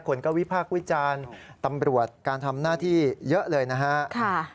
คนก็วิพากษ์วิจารณ์ตำรวจการทำหน้าที่เยอะเลยนะฮะ